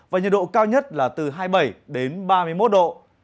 và nhiệt độ cao nhất là từ hai mươi bảy đến ba mươi một độ